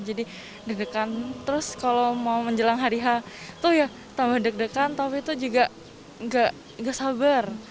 jadi dedekan terus kalau mau menjelang hari itu ya tambah dedekan tapi itu juga gak sabar